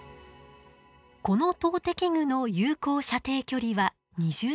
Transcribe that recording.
この投擲具の有効射程距離は２０ｍくらい。